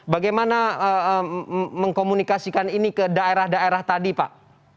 bagaimana mengkomunikasikan ini ke daerah daerah tadi pak